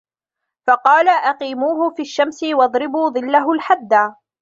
فَقَالَ أَقِيمُوهُ فِي الشَّمْسِ وَاضْرِبُوا ظِلَّهُ الْحَدَّ